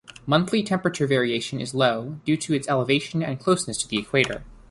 Monthly temperature variation is low, due to its elevation and closeness to the equator.